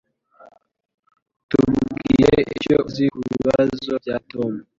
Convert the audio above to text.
Tubwire icyo uzi kubibazo bya Tom